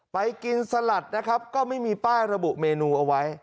ไปกินสลัดนะครับก็ไม่มีป้ายระบุเมนูเอาไว้